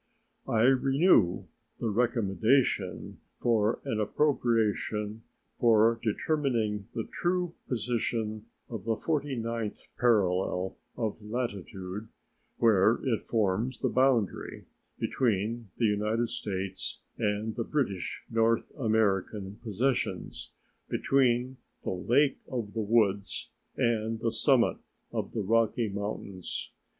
I renew the recommendation for an appropriation for determining the true position of the forty ninth parallel of latitude where it forms the boundary between the United States and the British North American possessions, between the Lake of the Woods and the summit of the Rocky Mountains.